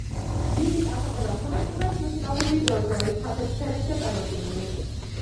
დიდი წარმატება ჰქონდა სიმღერის მუსიკალურ ვიდეოს, რომელიც შავ-თეთრ ფერებშია წარმოდგენილი.